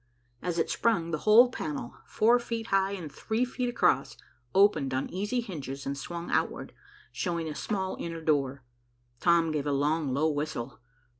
As it sprung, the whole panel, four feet high and three feet across, opened on easy hinges and swung outward, showing a small inner door. Tom gave a long, low whistle.